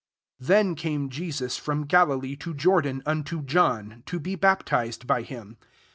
'* 13 Then came Jesus from ^8 MATTHEW IV. Galilee to Jordan unto John to be baptized by him.